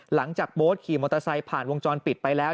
โบ๊ทขี่มอเตอร์ไซค์ผ่านวงจรปิดไปแล้ว